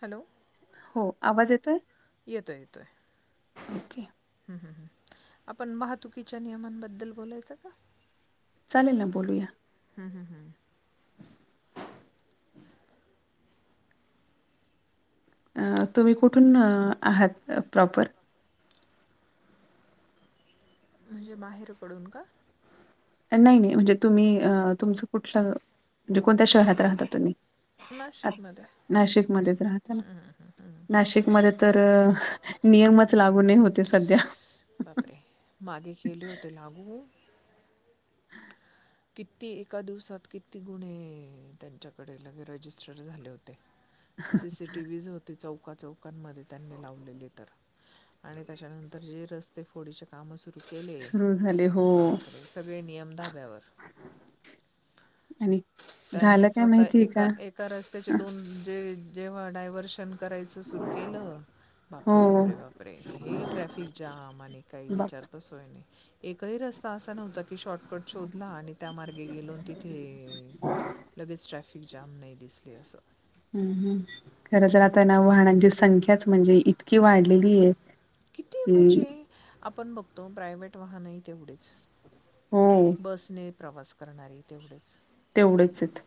Hello! हो आवाज येतोय? येतोय येतोय. ओके आपण वाहतुकीच्या नियमांबद्दल बोलायचं का? चालेल ना बोलूया. हम्म हम्म हम्म अ तुम्ही कुठून आहात प्रॉपर? म्हणजे बाहेर पडून का? नाही नाही म्हणजे तुम्ही अ तुमचं कुठलं म्हणजे कोणत्या शहरात राहता तुम्ही? आत नाशिकमध्ये हं, नाशिकमध्येच राहत ना हं, हं, हं. नाशिकमध्ये तर नियमच लागू नाही होतेय सध्या. बापरे! मागे केले होते लागू. [inaudible] किती एका दिवसात किती गुन्हे त्यांच्याकडे लगे रजिस्टर झाले होते. सीसीटीवहीज होते चौका चौकांमध्ये. त्यांनी लावलेली तर आणि त्याच्यानंतर जे रस्ते फोडीचे काम सुरु. केले सुरू झाले हो बापरे! सगळे नियम धाब्यावर. आणि त्यांनी झालं काय स्वतः माहितीये एका का? एका रस्त्याचे अ, दोन जे जेव्हा डायव्हर्शन करायचं सुरू केलं. बापरे हो. बापरे बापरे? हे ट्रॅफिक जाम आणि काही बाप विचारतो सोय नाही. एकही रस्ता असा नव्हता की शॉर्टकट शोधला आणि त्या मार्गे गेलो तिथे लगेच ट्रॅफिक जाम नाही दिसले असं. हं, हं. खरं तर आता ना वाहनांची संख्याच म्हणजे इतकी वाढलेली ए. किती म्हणजे आपण बघतो प्रायवट वाहन. तेवढेच हो बसने प्रवास करणारी तेवढेच. तेवढेच येत.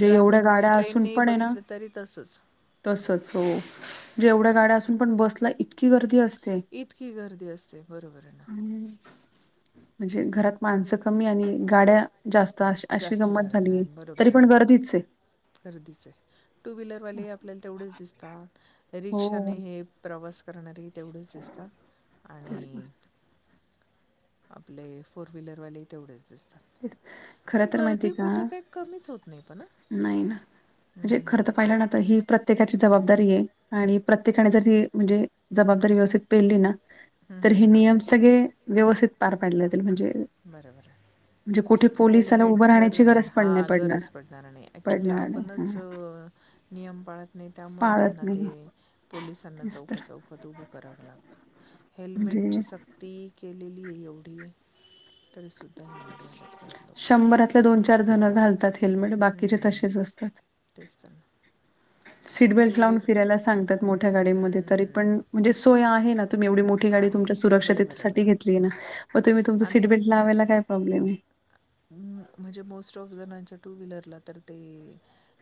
ट्रॅव्हल म्हणजे ट्रेनने बघितलं तरी तसच. तसच हो म्हजे एवढ्या गाड्या असून पण बसला इतकी गर्दी अस इतकी गर्दी असते बरोबर आहे ना हम्म. म्हणजे घरात माणसं कमी आणि गाड्या जास्त अशी अशी जास्त गंमत झालेलं झालीय आहे बरोबर तरी आहे पण ना गर्दीचये. गर्दीचं टू व्लरवाले आपल्याला तेवढेच दिसतात, रिक्षा हो. ने हे प्रवास करणारे तेवढेच दिसतात तेच ना आणि आपले फोर व्हीलर वाले तेवढेच दिसता. खरं तर माहितीय का? काही कमीच होत नाही पण नाही ना म्हणजे खर तर पाहिलं ना तर ही प्रत प्रत्येकाची जबाबदारीये आणि प्रत्येकाने जर ती म्हणजे जबाबदारी व्यवस्थित पेली ना तर हे हां नियम सगळे व्यवस्थित पार पाडल्या जातील. म्हणजे बरबर. म्हणजे कुठे पोलिसाला हेल्मेट उभं तर राहण्याची गरज हा पण नाही गरज पडणार नाही ऍक्च्युली पडणार नाही हा आपणच नियम पाळत नाही. त्यामुळे पाळत त्यांना ते नाही पोलिसांना तेच चौकात तर चौकात उभं करावं लागतं. हेल्मेट म्हणजे ची सक्ती केलेलीये एवढी तरी सु शंभरातल्या दोन चार जण घाल हेल्मेट बाकीचे हम्म. तसेच असतात. तेच तर ना सीट बेल्ट एवढे लावून फिरायला सांगतात मोठ्या गाडीमध्ये तरी हम्म. पण म्हणजे सोय आहे ना तुम्ही एवढी मोठी गाडी आहे तुमच्या बरोबर आहे सुरक्षिततेसाठी घेतलेली आहे ना मग तुम्ही तुमचं सीट आणि बेल्ट लावायला काय प्रॉब्लेम आहे? म्हणजे मोस्ट ऑफ जणांच्या टू व्हीलरला तर ते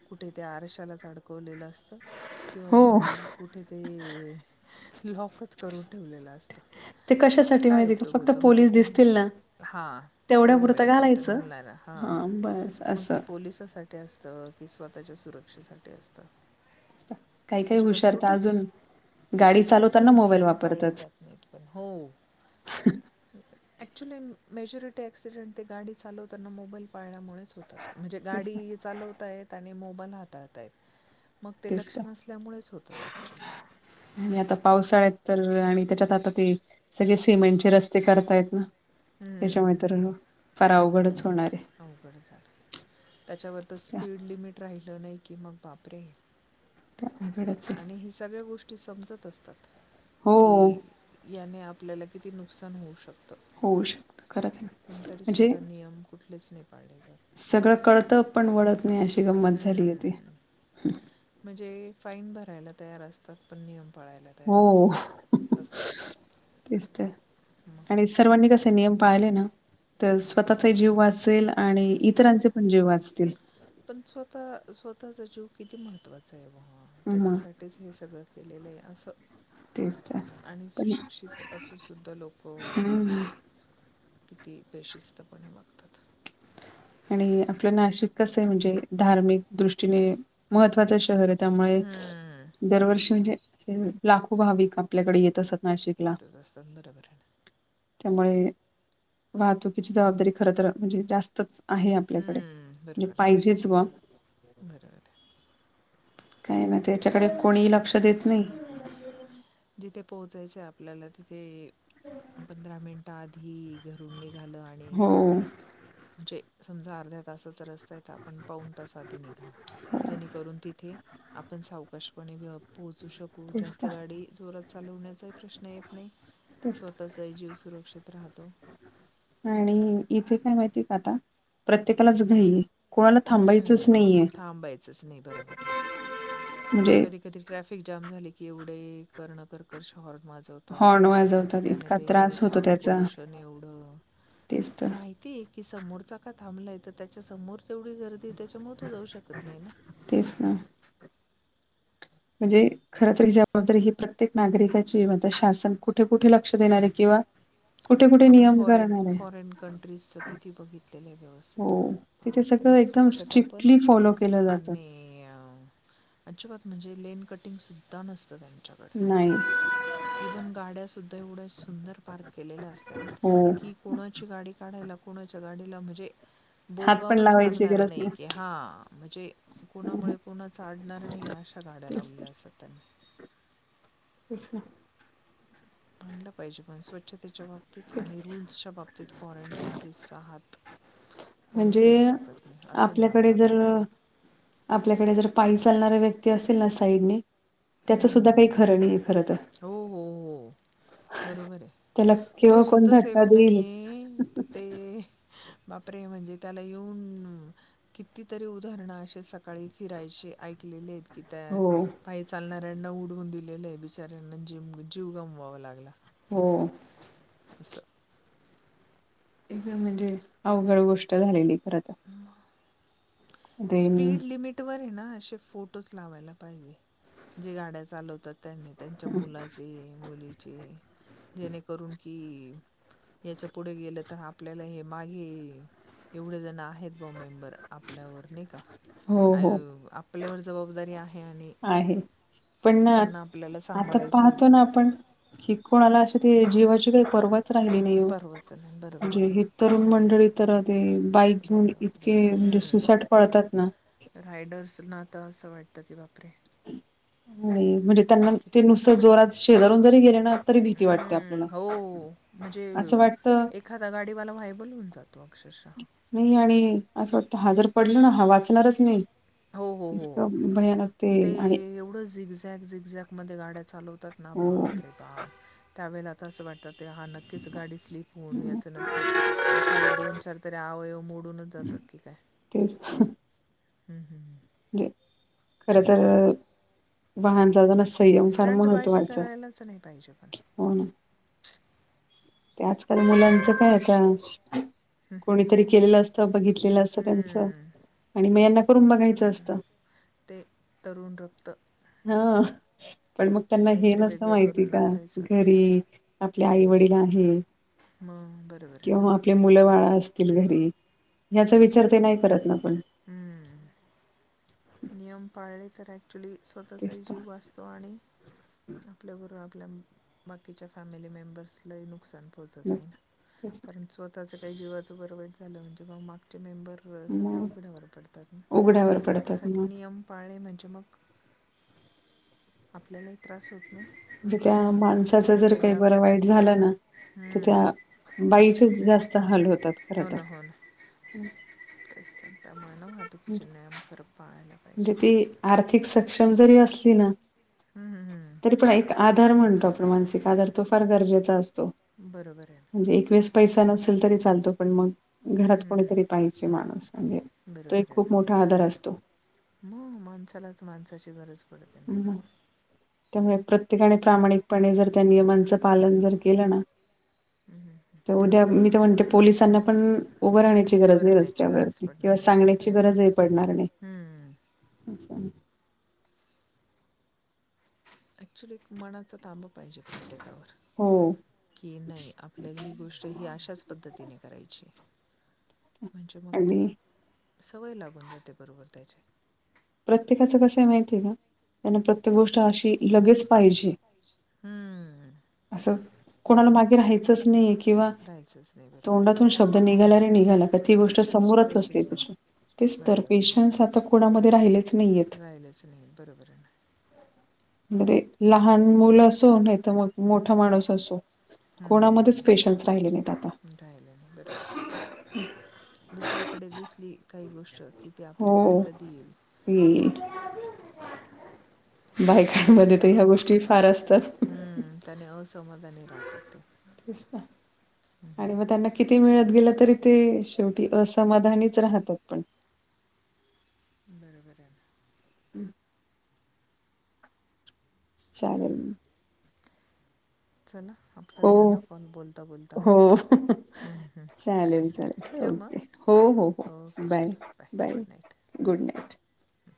कुठे त्या आरशालाच अडकवलेलं असतं. किंवा म हो मागे कुठेे तरी लॉकच करून ठेवलेलं असतं. ते कशासाठी काय माहिती उपयोग फक्त होतो मग ते पोलीस काय दिसतील ना तेवढ्यापुरत घालणार हा मग असं ते पोलिसासाठी असत की स्व त्याच्या सुरक्षेसाठी असतं. काही काही अजिबात हुशारत कुठेच अजून गाडी कुठेच, चालवताना कुठले मोबाईल नियम पाळले वापरतात जात नाहीत पण हो! ॲक्च्युली मेजॉरिटी क्सिडेंट ते गाडी चालवताना मोबाईल पाळल्यामुळे म्हणजे तेच तर गाडी चालवताय आणि मोबाईल हाताळताय मग ते तेच लक्ष तर नसल्यामुळेच होत ऍक्च्युली. आणि आता पावसाळ्यात तर आणि त्याच्यात आता ते सगळे सिमेंटचे रस्ते करतायेत ना हं, त्याच्यामुळे हं, तर हं. फार अवघडच होणार आहे अवघड झालं त्याच्यावर तर त्या स्पीड लिमिट राहाची नाही की मग बापरे त्या अवघडच आहे आणि ह सगळ्या गोष्टी ग समजत असतात हो की याने आपल्याला किती नुकसान होऊ शकतं. होऊ शकतो खरंच पण म्हणजे तरीसुद्धा नियम कुठलेच नाही पाळले जात. सगळं कळतं पण वळत नाही अशी गंमत हं, हं, झाली आहे ती हं. म्हणजे फाईन भरायला तयार असतात पण नियम पाळायला तयार हो नसतात असं तेच तर आणि मग सर्वांनी नियम स्वतःचा जीव असल आणि मग इतरांचे पण जेव वाचतील स्व ताचा जीव किती महत्त्वाचा आहे व मग त्याच्यासाठीच हे सगळं केलेलं आहे असं तेच तर आणि पण सुशिक्षित असू सुुद्धा लोक हम्म किती बेशिस्तपणे वागतात आणि आपलं नाशिक कसं आहे म्हणजे धार्मिक दृष्टीने महत्त्वाचं शहर आहे त्यामुळे हम्म, दरवर्षी म्हणजे लाखो भाविक आपल्याकडे येत असात येतच असतात बरोबर आहे. त्यामुळे वाहतुकीची जबाबदारी खर तरर म्हणजे जास्तच आहे आपल्याकडे हम्म, म्हणजे बरोबर आहे पाहिजेच बा ना बरोबर आहे काय ना त्याच्याकडे कोणीही लक्ष देत नाही. तथे पोहोचायचं आपल्याला तिथे पंधरा मिनिट आधी घरून निघ झा आणि हो म्हणे समजा अर्ध्या तासच रस्ता आहे आपण पाऊन तास आधी निघा हो जेणेकरून तिथे आपण सावकाशपणे व पोहोचू शकू तेच जास्त तर गाडी जोरात चालवण्याचाही प्रश्न येत नाही. तेच तर स्वतःचाही जीव सुरक्षित राहतो. आणि इथे काय माहितीय का आता प्रत्येकालाच घई कोणाला थांबायचंच हम्म, नाहीे. थांबायचंच नाही बरोबर आहे [inaudible] कधी कधी ट्रॅफिक जाम झाले की एवढे करण कर शहर माजवतात हॉर्न की वाजवतात त्याने इतका ते त्रास होतो साऊंड त्याचा पोल्युशन एवढं तेच कि तर माहितीय कि समोरचा का थांबलाय तर त्याच्या समोर तेवढी गर्दी त्याच्याम जाऊ शकत नाही ना तेच ना म्हणजे खरंतरी ही जबाबदारी ही प्रत्येक नागरिकाची म शासन कुठे कुठे लक्ष देणारे किंवा कुठे-कुठे आपण नियम फॉरेन करणार आहे. फॉरेन कंट्रीज च किती बघितलेलं आहे व्यवस्थित हो. तिथे पण हे सगळं एकदम स्वच्छता पण स्ट्रिक्टली फॉलो केलं जातं. आणि अजिबात म्हणजे ले किंग सुा नत त्यांच्याक नाही. इव्ह गाड सु एवढंच सुंदर पार्क केलं हो. कि कोणाची गाडी काढायला कोणाच्या गाडीला म्हणजे हात पण बोलवावंच लावायची लागणार गरज नाही की हा म्हणजे हं, हं. कोणामुळे कोणाचडणार नाही अशा काडं तेच लावले असात त्यांनी तच ना मालं पाहिजे पण स्वच्छतेच्या बाबतीत तेच. आणि रूल्सच्या बाबतीत क फॉरेन कंट्रीज आहात म्हणजे म्हणावं आपल्याकडे लागलं जर तरी आपल्याकडे जर पासे चालणारा व्यक्ती असेल ना साईडने हम्म, त्याचं हम्म, सुद्धा काही हम्म. खरं नाही आहे खरं तर हो हो हो बरोबर आहे त्याला तो केव्हा कोण सुद्धा धक्का सेफ देईल. नाहीये तर ते बापरे म्हणजे त्याला येऊन कितीतरी उदाहरण अे सकाळी फिरायची ऐकलेले आहेत. कि त्या हो, पाय चालणाऱ्यांना उडवून दिलेलं आहे बिचाऱ्यांना जिम जीव गमवावा लागला. हो सं. एकदा म्हणजे अवघड गोष्ट झालेली खरं तर. रेन स्पीड लिमिटवर ना, असे फोटोच लावायला पाहिजे, जे गाड्या चालवतात. त्यांनी त्यांच्या मुलाचे, मुलीचे, जेणेकरून की याच्या पुढे गेलं, तर आपल्याला हे मागे, एवढे जण आहे [unintelligible] आपल्यावर नाही? का हो, हो. आपल्यावर जबाबदारी आहे. आणि आहे. पण ना त्यांना आपल्याला आता सांभाळायचं आहे पाहतो बुवा. ना, आपण कि कोणाला ती जीवाची काय पर्वा राहिली नाही ओ, परवाच नाही बरोबर म्हणजे आहे ना. हे तरुण मंडळी तर ते बाईक घेऊन बापरे, बापरे! इतके ते हं. सुसाट पळतात ना, रायडर्सना तर [unintelligible] बापरे! होय. म्हणजे त्यांना ठीक आहे. ते नुसत जोरात शेजारून जरी गेले ना, तरी भीती वाटते हं, आपल्याला. हो. म्हणजे असं वाटतं एखादा गाडीवाला व्हायबल ल होवून जातो. अक्षरशः. नाही, आणि असं वाटत, हा जर पडल ना, हा वाचणारच नाही. हो हो हो. इतकं भयानक ते आणि एवढं झिकझ्याक, झिकझ्याक मध्ये गाड्या चालवत ना, हो बाप रे बाप, ! त्यावेळे आता असं वाटत ते हा नक्कीच गाडी स्लीप होऊन, याचं नक्की, एखाद दोन चार तरी, अवयव मोडूनच जातात. [unintelligible] हम् हम् हम. खर तर्र वाहन ताना संयम फार स्टंटबाजी महत्त्वाचा. करायलाच नाही पाहिजे पण. हो ना. ते आजकाल मुलांचं काय, का? कोणीतरी केलेलं असतं, बघितलेलं असतं, त्यांचं. हं, आणि म यांना करून बघायचं बरं. असतं. ते तरुण रक्त. हा पण मग त्यांना हे काहीतरी नसतं वेगळं माहिती करून का? दाखवायचं. घरी, आपले आई वडील आहेत. मग बरोबर आहे ना. किंवा आपले मूलबाळ असतील घरी. [inaudible] ह्याचा विचार ते नाही करत ना पण हम्म. नियम पाळले तर ॲक्च्युली तेच स्वतःचाही तर जीव वाचतो, आणि आपल्याबरोबर आपल्या बाकीच्या फॅमिली मेंबर्सलाही नुकसान पोहोचत नाही नक्कीच कारण स्वतःच्य काही जीवाचं बरं वाईट झालं, म्हणजे मग म बरोबर सगळे मग उघड्यावर पडतात ना, उघड्यावर पडतात त्यासाठी मग नियम पाळणे म्हणजे मग आपल्याला म्हणजे त्या माणसाच, जर काही वेगळा बरं वाईट झालं ना, तर त्या हम्म. बाईचेच जास्त हाल होतात, खर तर. मानव [unintelligible] म्हणजे ती आर्थिक सक्षम जरी असली ना, हम्म, हम्म, तरी हम्म. पण एक आत आधार म्हणतो आपण, मानसिक आधार, तो फार गरजेचा असतो. तो बरोबर आहे म्हणजे एक वेळेस पैसा नसेल, तरी चालतो. पण मग हम्म, घरात हम्म, कोणीतरी हम्म. पाहिजे माणूस. म्हणजे तो एक खूप मोठा आधार असतो. हो माणसालाच, माणसाची गरज पडते ना. होय. प्रत्येकाने प्रामाणिकपणे जर त्या नियमांच पालन जर केलं ना, हम्म. तर उद्या, मी तर म्हणते, पोलिसांना पण उभं राहण्याची उभं गरज नाही राहण्याची गरज रस्त्यावरती. पडणार किंवा नाही बरोबर सांगण्याची आहे गरजही पडणार नाही. अच्छा. ॲक्च्युअली एक मनाचा ताबा पाहिजे प्रत्येकावर. हो कि नाही आपल्याला ही गोष्ट, ही अशाच पद्धतीने करायची म्हणजे मग ते, आणि सवय लागून जाते बरोबर त्याचे. प्रत्येकाचं कसं माहिती आहे का त्यांना प्रत्येक गोष्ट अशी लगेच पाहिजे. हम्म. अससल. कोणाला बरोबर मागे बरोबर राहायचंच नाही किंवा राहायचंच नाही बरोबर आहे तोंडातून शब्द निघाला र निघाला का ती गोष्ट पेशन्स ठेवायचेच नाही बरोबर बरोबर [unintelligible] नाहीयेत. राहिलंच नाही बरोबर आहे ना. म्हणजे लहान मुल असो नाही तर मग मोठा माणूस असो. कोणामध्ये हम्म. स्पेशल् राहिलं नाही बरोबर दुसऱ्याकडे दिसली. काही गोष्ट कि ते आपल्याकडे हो. कधी येईल. बाय. त्याने खूप हम्म त्याने असमाधानी राह. तेच आणि मग हम्म, त्यांना किती मिळत गेलं तरी ते शेवटी असमाधानीच राहतात पण बरोबर ना. हम्. चालेल. चला आपलं हो झालं कॉल बोलता बोलता हो. चालेल चालेल ठेव मग हो हो हो ओके बाय चलो बाय गुड नाईट. हम्.